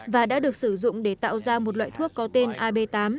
và đã được sử dụng để tạo ra một loại thuốc có tên ib tám